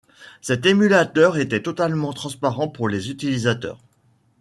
Cet émulateur était totalement transparent pour les utilisateurs.